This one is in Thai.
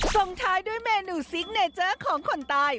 ส่งท้ายด้วยเมนูซิกเนเจอร์ของคนตาย